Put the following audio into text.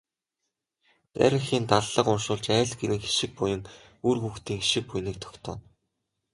Дарь эхийн даллага уншуулж айл гэрийн хишиг буян, үр хүүхдийн хишиг буяныг тогтооно.